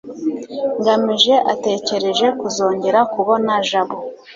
ngamije ategereje kuzongera kubona jabo